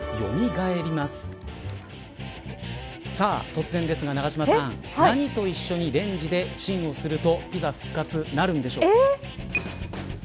突然ですが、永島さん何と一緒にレンジでチンをするとピザ復活、なるんでしょうか。